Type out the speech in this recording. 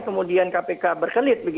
kemudian kpk berkelit